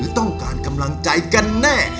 ต้องการกำลังใจกันแน่